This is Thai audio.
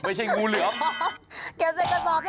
ไม่ใช่งูเหลือง